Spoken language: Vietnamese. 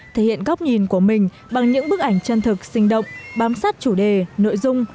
thể hiện góc nhìn của mình bằng những bức ảnh chân thực sinh động bám sát chủ đề nội dung